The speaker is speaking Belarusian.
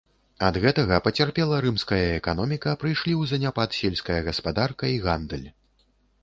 Ад гэтага пацярпела рымская эканоміка, прыйшлі ў заняпад сельская гаспадарка і гандаль.